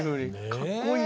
かっこいい。